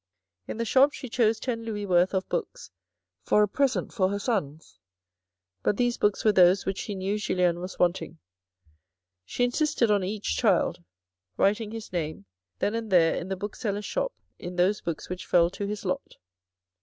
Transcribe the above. In the shop she chose ten louis worth of books for a present for her sons. But these books were those which she knew Julien was wanting. She insisted on each child writing his name then 42 THE RED AND THE BLACK and there in the bookseller's shop in those books which fell to his lot.